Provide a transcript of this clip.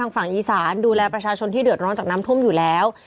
ฝั่งอีสานดูแลประชาชนที่เดือดร้อนจากน้ำท่วมอยู่แล้ว